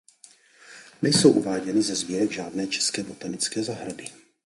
Nejsou uváděny ze sbírek žádné české botanické zahrady.